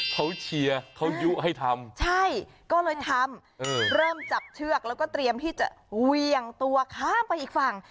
เขาเชียร์เขายุให้ทำใช่ก็เลยทำเริ่มจับเชือกแล้วก็เตรียมที่จะเวี่ยงตัวข้ามไปอีกฝั่ง